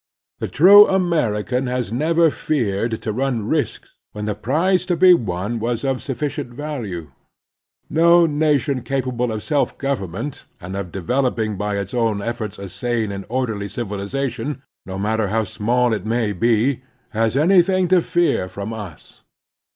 The true American has never feared to run risks when the prize to be won was of sufficient value. No nation capable of self government, and of develop ing by its own efforts a sane and orderly civiliza National Duties 277 tion, no matter how small it may be, has anjrthing to fear from us.